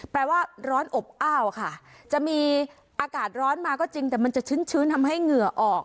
แปลว่าร้อนอบอ้าวค่ะจะมีอากาศร้อนมาก็จริงแต่มันจะชื้นทำให้เหงื่อออก